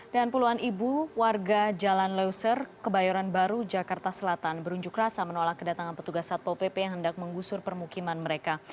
puluhan ibu warga jalan leuser kebayoran baru jakarta selatan berunjuk rasa menolak kedatangan petugas satpol pp yang hendak menggusur permukiman mereka